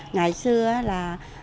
ngày xưa là